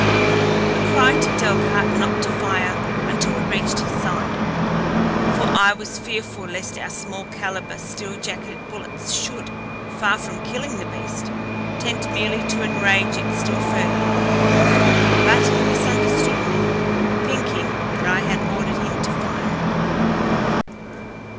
I cried to Delcarte not to fire until we reached his side, for I was fearful lest our small caliber, steel jacketed bullets should, far from killing the beast, tend merely to enrage it still further. But he misunderstood me, thinking that I had ordered him to fire.